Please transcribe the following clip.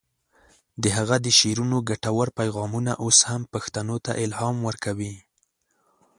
د هغه د شعرونو ګټور پیغامونه اوس هم پښتنو ته الهام ورکوي.